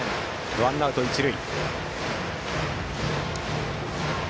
ワンアウト一塁。